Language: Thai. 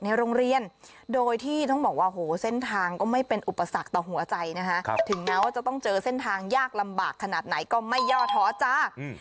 ในโรงเรียนโดยที่ต้องบอกว่าโหเส้นทางก็ไม่เป็นอุปสรรคต่อหัวใจนะคะถึงแม้ว่าจะต้องเจอเส้นทางยากลำบากขนาดไหนก็ไม่ย่อท้อจ้า